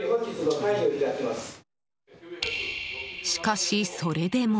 しかし、それでも。